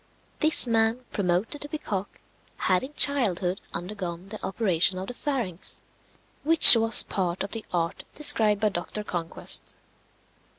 This man, promoted to be cock, had in childhood undergone the operation of the pharynx, which was part of the art described by Dr. Conquest.